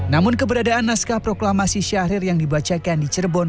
namun keberadaan naskah proklamasi syahrir yang dibacakan di cirebon